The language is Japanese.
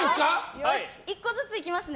１個ずついきますね！